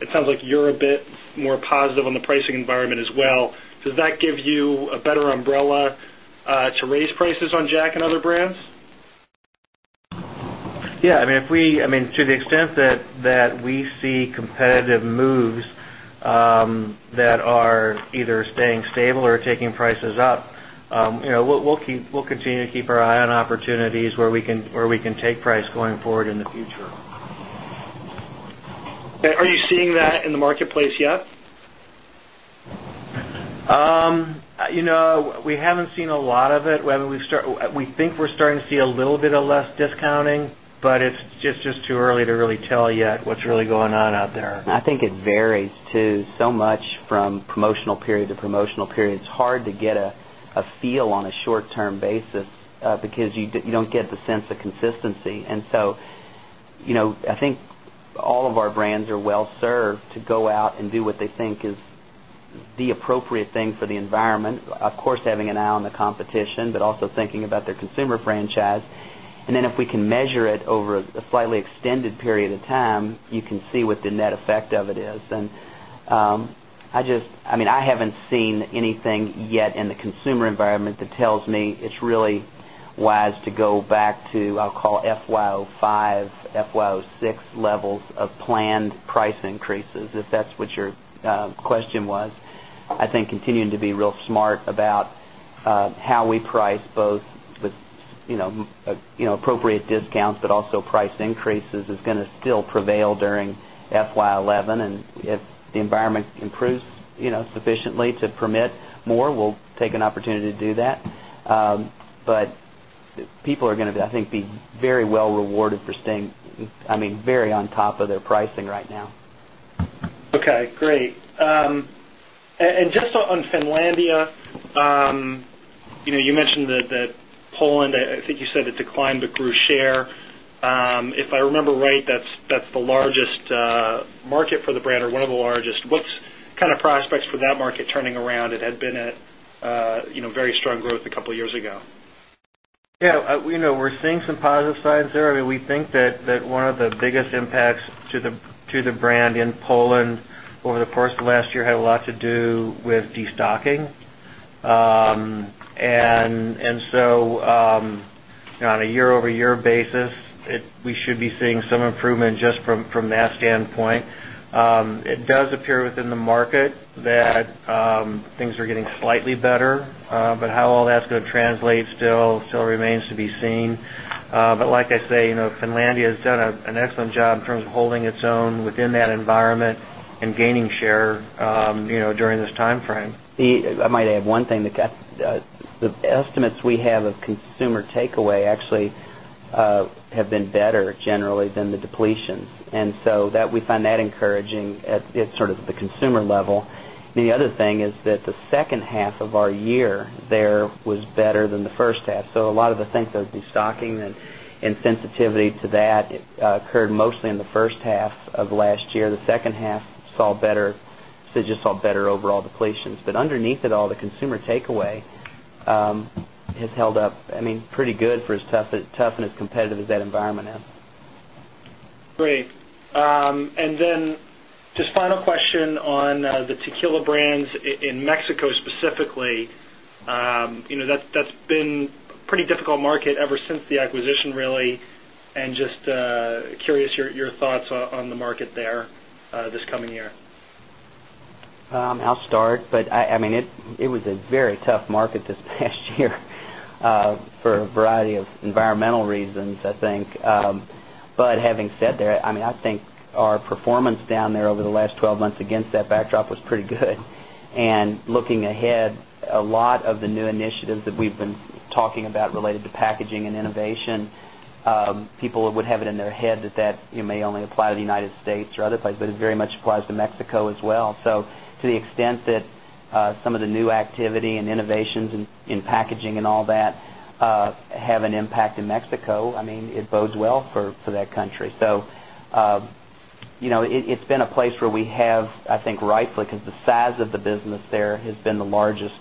It sounds like you're a bit more positive on the Yes. I Yes. I mean, if we I mean, to the extent that we see competitive moves that are either staying stable or taking prices up, we'll continue to keep our eye on opportunities where we can take price going forward in the future. Are you seeing that in the marketplace yet? We haven't seen a lot of it. We think we're starting to see a little bit of less discounting, but it's just too early to really tell yet what's really going on out there. I think it varies too so much from promotional period to promotional period. It's hard to get a feel on a short term basis because you don't get the sense of consistency. And so I think all of our brands are well served to go out and do what they think is the appropriate thing for the environment, of course, having an eye on the competition, but also thinking about their consumer franchise. And then if we can measure it over a slightly extended period of time, you can see what the net effect of it is. And I just I mean, I haven't seen anything yet in the consumer environment that tells me it's really wise to go back to I'll call FY05, FY06 levels of planned price increases, if that's what your question was. I think continuing to be real smart about how we price both with appropriate discounts, but also price increases is going to still prevail during FY 2011. And if the environment improves sufficiently to permit more, we'll take an opportunity to do that. But people are going to be, I think, be very well rewarded for staying, I mean, very on top of their pricing right now. Okay, great. And just on Finlandia, you mentioned that Poland, I think you said declined but grew share. If I remember right, that's the largest market for the brand or one of the largest. What's kind of prospects for that market turning around? It had been a very strong growth a couple of years ago. Yes. We're seeing some positive signs there. I mean, we think that one of the biggest impacts to the brand in Poland over the course of last year had a lot to do with destocking. And so on a year over year basis, we should be seeing some improvement just from that standpoint. It does appear within the market that things are getting slightly better, but how all that's going to translate still remains to be seen. But like I say Finlandia has done an excellent job in terms of holding its own within that environment and gaining share during this timeframe. I might add one thing. The depletion. And so that we find that encouraging at sort of the consumer level. The other thing is that the second half of our year there was better than the first half. So a lot of the things that destocking and sensitivity to that occurred mostly in the first half of last year. The second half saw better so just saw better overall depletions. But underneath it all, the consumer takeaway has held up, I mean, pretty good for as tough and as competitive as that environment is. Great. And then just final question on the tequila brands in Mexico specifically. That's been pretty difficult market ever since the acquisition really and just curious your thoughts on the market there this coming year? I'll start, but I mean it was a very tough market this past year for a variety of environmental reasons, I think. But having said that, I mean, I think our performance down there over the last 12 months against that backdrop was pretty good. And looking ahead, a lot of the new initiatives that we've been talking about related to packaging and innovation, people would have it in their head that that may only apply to the United States or other places, but it very much applies to Mexico as well. So to the extent that some of the new activity and innovations in packaging and all that have an impact in Mexico, I mean it bodes well for that country. So it's been a place where we have, I think, rightfully because the size of the business there has been the largest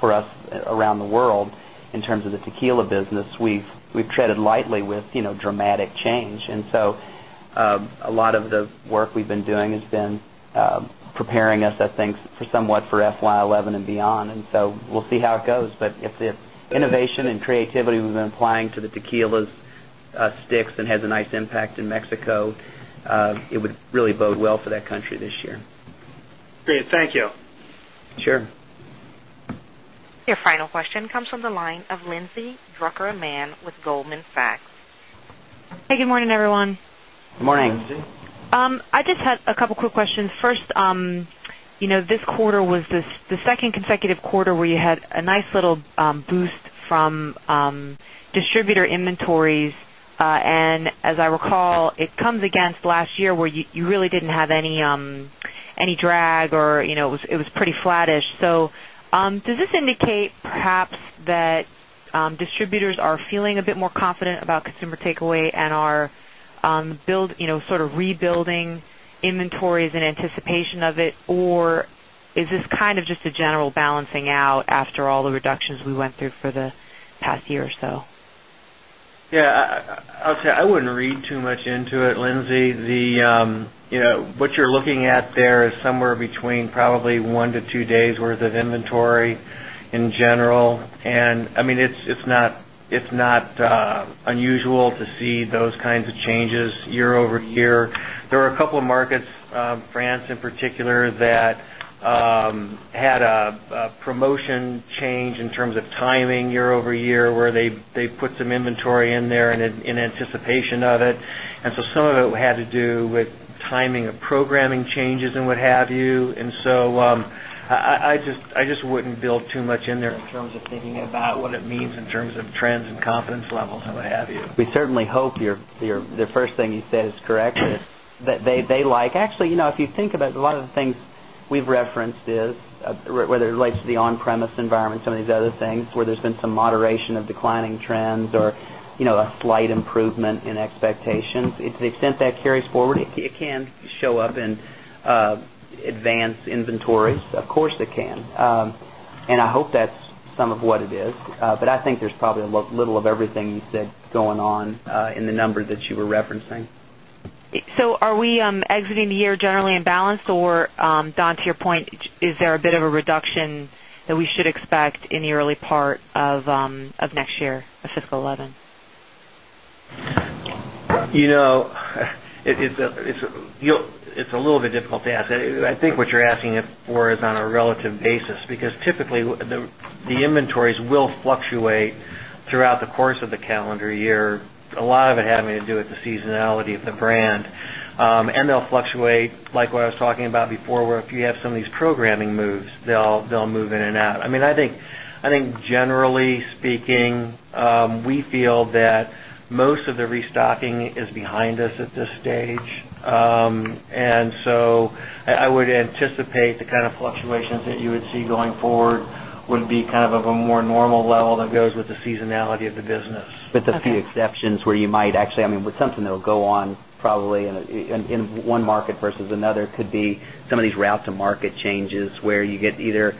for us around the world in terms of the tequila business. We've treaded lightly with dramatic change. And so a lot of the work we've been doing has been preparing us I think for somewhat for FY 2011 and beyond. And so we'll see how it goes. But if the innovation and creativity we've been applying to the tequila sticks and has a nice impact in Mexico, it would really bode well for that country this Great. Thank you. Sure. Your final question comes from the line of Lindsey Drucker Aman with Goldman Sachs. Hey, good morning everyone. Good morning. I just had a couple of quick questions. First, this quarter was the 2nd consecutive quarter where you had a nice little boost from distributor inventories. And as I recall, it comes against last year where you really didn't have any drag or it was pretty flattish. So, does this indicate perhaps that distributors are feeling a bit more confident about consumer takeaway and are build sort of rebuilding inventories in anticipation of it? Or is this kind of just a general balancing out after all the reductions we went through for the past year or so? Yes. I'll say, I wouldn't read too much into it, Lindsay. The what you're looking at there is somewhere between probably 1 to 2 days worth of inventory in general. And I mean, it's not unusual to see those kinds of changes year over year. There are a couple of markets, France in particular that had a promotion change in terms of timing year over year where they put some inventory in there build too much in there in terms of thinking about what it means in terms of trends and confidence levels and what have you. We certainly hope your the first thing you said is correct. They like actually, if you think about a lot of the things we've referenced is whether it relates to the on premise environment, some of these other things where there's been some moderation of declining trends or a slight improvement in expectations, to the extent that carries forward, it can show up in advance inventories. Of course, it can. And I hope that's some of what is. But I think there's probably a little of everything you said going on in the number that you were referencing. So are we exiting the year generally in balance or Don to your point, is there a bit of a reduction that we should expect in the early part of next year, fiscal 2011? It's a little bit difficult to ask. I think what you're asking it for is on a relative basis, because typically the inventories will fluctuate throughout the course of the calendar year. A lot of it having to do with the seasonality of the brand. And they'll fluctuate like what I was talking about before where if you some of these programming moves, they'll move in and out. I mean, I think generally speaking, we feel that most of the re stocking is behind us at this stage. And so, I would anticipate the kind of fluctuations that you would see going forward would be kind of few exceptions where you might actually, I mean, with something that will go on probably in one market versus another could be some of these route to market changes where you get either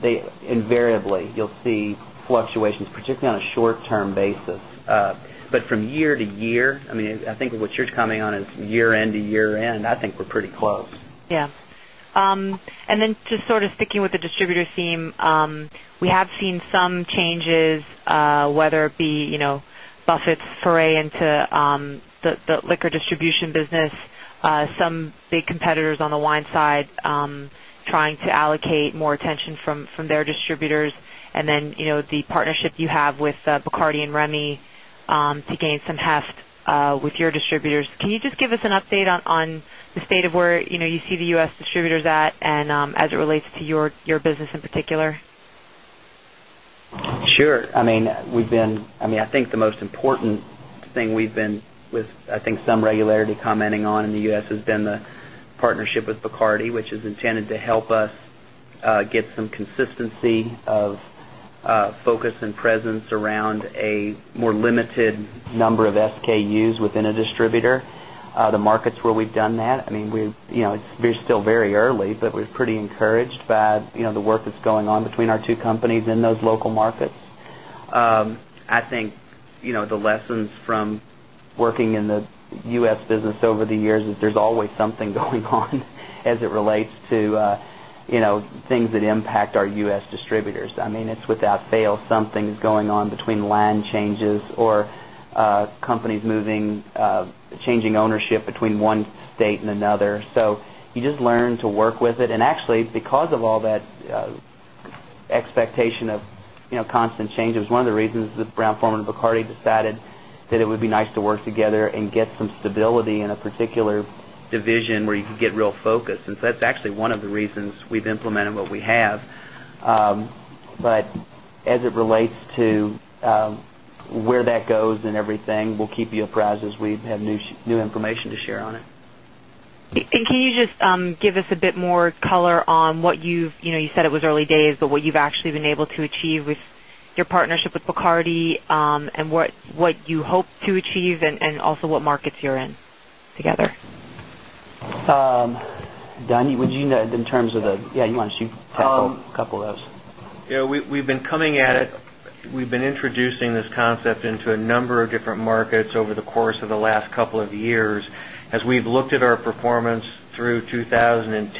they invariably you'll see fluctuations particularly on a short term basis. But from year to year, I mean, I think what you're just coming on is year end to year end, I think we're pretty close. Yes. And then just sort of sticking with the distributor theme, we have seen some changes, whether it be Buffett's foray into the liquor distribution business, some big competitors on the wine side trying to allocate more attention from their distributors and then the partnership you have with Bacardi and Remy to gain some heft with your distributors. Can you just give us an update on the state of where you see the U. S. Distributors at and as it relates to business in particular? Sure. I mean, we've been I mean, I think the most important thing we've been with, I think, some regularity commenting on in the U. S. Has been the partnership with Bacardi, which is intended to help us get some consistency of focus and presence around a more limited number of SKUs within a distributor. The markets where we've done that, I mean, we're still very early, but we're pretty encouraged by the work that's going on between our two companies in those local markets. I think the lessons from working in the U. S. Business over the years is there's always something going on as it relates to things that impact our U. S. Distributors. I mean it's without fail something is going on between land changes or companies moving changing ownership between one state and another. So you just learn to work with it. And actually because of all that expectation of constant change, it was one of the reasons that Brown Forman and Bacardi decided that it would be nice to work together and get some stability in a particular division where you could get real focus. And so that's actually one of the reasons we've implemented what we have. But as it relates to where that goes and everything, we'll keep you apprised as we have new information to share on it. And can you just give us a bit more color on what you've you said it was early days, but what you've actually been able to achieve with your partnership with Bacardi and what you hope to achieve and also what markets you're in together? Donnie, would you know in terms of the yes, you want to speak to a couple of those? Yes, we've been coming at it. We've been introducing this concept into a number of different markets over the course of the last couple of years. As we've looked at our performance through 20 10 in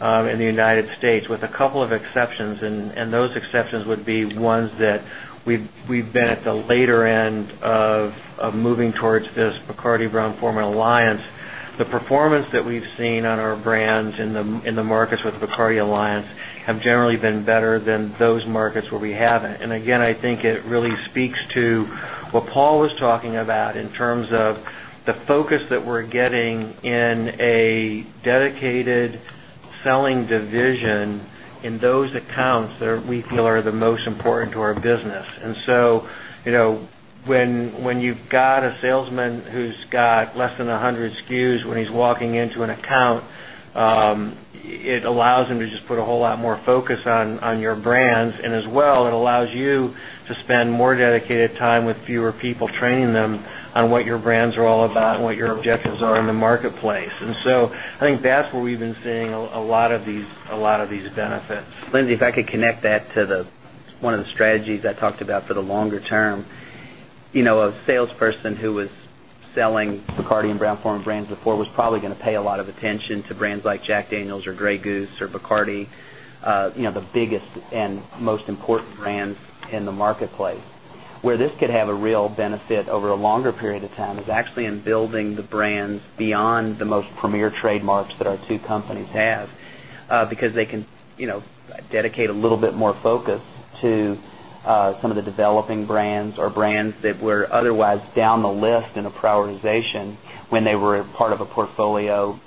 the United States with a couple of exceptions and those exceptions would be ones that we've been at the later end of moving towards this Bacardi Brown Formula Alliance. The performance that we've seen on our brands in the market with Vicaria Alliance have generally been better than those markets where we haven't. And again, I think it really speaks to what Paul was talking about in terms of the focus that we're getting in a dedicated selling division in those accounts that we feel are the most important to our business. And so, when you've got a salesman who's got less than 100 SKUs when he's walking into an account, it allows him to just put a whole lot more focus on your brands and well, it allows you to spend more dedicated time with fewer people training them on what your brands are all about and what your objectives are in the marketplace. And so, I think that's where we've been seeing a lot of these benefits. Lindsey, if I could connect that to the one of the strategies I talked about for the longer term. A sales person who was selling Bacardi and Brown Form brands before was probably going to pay a lot of attention to brands like Jack Daniels or Grey Goose or Bacardi, the biggest and most important brands in the marketplace. Where this could have a real benefit over a longer period of time is actually in building the brands beyond the most premier trademarks that our two companies have, because they can dedicate a little bit more focus to some of the developing brands or brands that were otherwise down the list in a prioritization when they were part of a portfolio